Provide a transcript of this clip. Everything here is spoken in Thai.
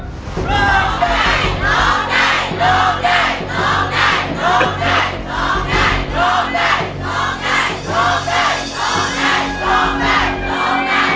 ร้องได้ร้องได้ร้องได้ร้องได้